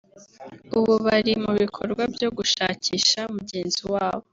ubu bari mu bikorwa byo gushakisha mugenzi wabo